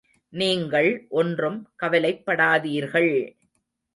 நீங்கள் ஒன்றும் கவலைப்படாதீர்கள்!